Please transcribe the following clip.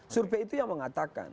surpi itu yang mengatakan